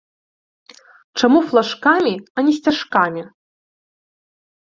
Чаму флажкамі, а не сцяжкамі?